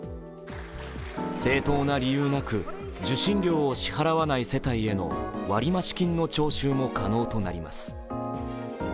正当な理由なく、受信料を支払わない世帯への割増金の徴収も可能となります。